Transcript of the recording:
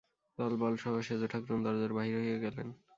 দলবলসহ সেজ-ঠাকরুন দরজার বাহির হইয়া গেলেন।